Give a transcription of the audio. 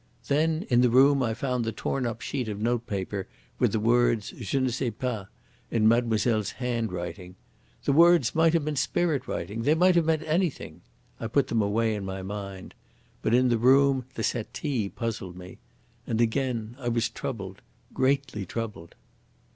Then in the room I found the torn up sheet of notepaper with the words, 'Je ne sais pas,' in mademoiselle's handwriting. The words might have been spirit writing, they might have meant anything. I put them away in my mind. But in the room the settee puzzled me. And again I was troubled greatly troubled."